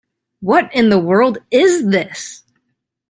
What in the world is this?